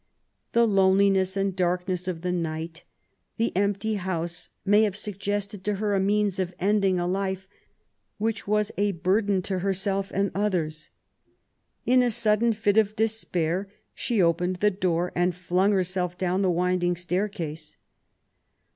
The loneliness and darkness of the night, the empty house, n^y have suggested to her a means of ending a life which was a burden to herself and others. In a sudden fit of despair she opened the door and flung herself down the winding staircase.